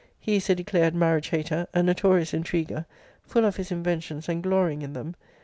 He is a declared marriage hater; a notorious intriguer; full of his inventions, and glorying in them.